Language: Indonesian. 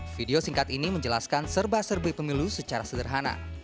video singkat ini menjelaskan serba serbi pemilu secara sederhana